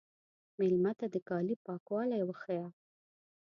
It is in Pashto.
مېلمه ته د کالي پاکوالی وښیه.